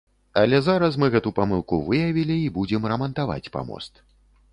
Але зараз мы гэту памылку выявілі і будзем рамантаваць памост.